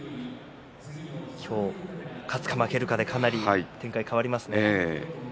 今日勝つか負けるかでかなり展開が変わりますね。